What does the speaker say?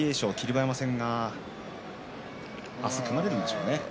馬山戦が組まれるんでしょうね。